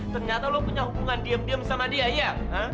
ternyata lo punya hubungan diem diem sama dia ya